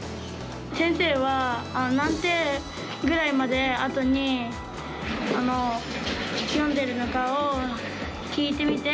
先生は何手ぐらいまであとに読んでるのかを聞いてみて。